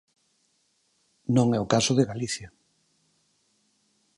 Non é o caso de Galicia.